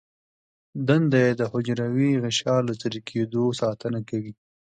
دنده یې د حجروي غشا له څیرې کیدو ساتنه ده.